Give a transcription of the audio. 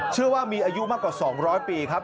เชื่อว่ามีอายุมากกว่า๒๐๐ปีครับ